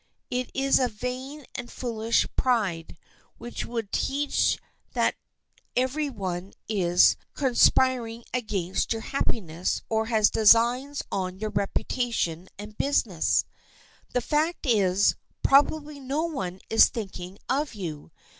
It is a vain and foolish pride which would teach that every one is conspiring against your happiness or has designs on your reputation and business. The fact is, probably no one is thinking of you.